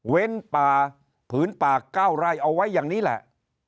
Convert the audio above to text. ป่าผืนป่า๙ไร่เอาไว้อย่างนี้แหละ